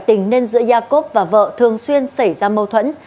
tình nên giữa jacob và vợ thường xuyên xảy ra mâu thuẫn